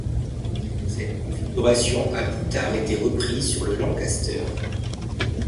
Cette configuration a plus tard été reprise sur le Lancaster.